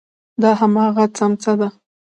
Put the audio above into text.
دا هماغه څمڅه ده.